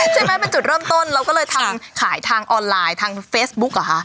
ใช่ไหมเป็นจุดเริ่มต้นเราก็เลยทำขายทางออนไลน์ทางเฟซบุ๊กเหรอคะ